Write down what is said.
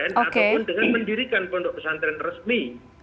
ataupun dengan mendirikan pondok pesantren resmi